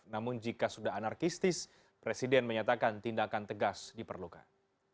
namun jika sudah anarkistis presiden menyatakan tindakan tegas diperlukan